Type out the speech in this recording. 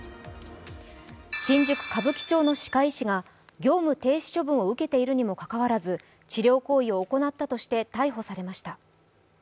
新宿・歌舞伎町の歯科医師が業務停止処分を受けているにもかかわらず治療行為を行ったとして逮捕されました。